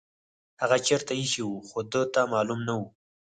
هغه چیرته ایښې وه خو ده ته معلومه نه وه.